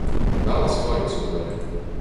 Dāls vaicuoja.